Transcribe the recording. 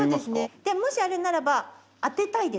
でもしあれならば当てたいですか？